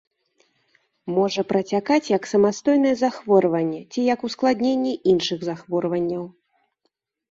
Можа працякаць як самастойнае захворванне ці як ускладненне іншых захворванняў.